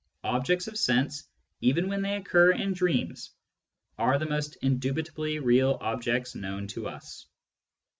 Objects of sense, even when they occur in dreams, are the most indubitably real objects known to us.